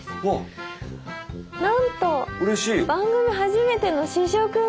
なんと番組初めての試食が。